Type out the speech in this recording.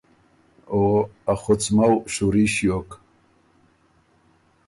او ا خُڅمؤ شوري ݭیوک